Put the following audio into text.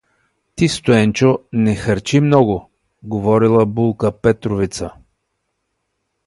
Ти, Стоенчо, не харчи много говорила булка Петровица.